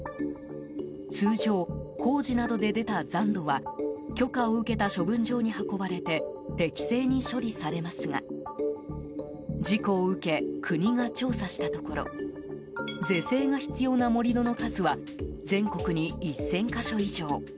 通常、工事などで出た残土は許可を受けた処分場に運ばれて適正に処理されますが事故を受け国が調査したところ是正が必要な盛り土の数は全国に１０００か所以上。